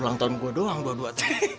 ulang tahun gue doang dua dua tahun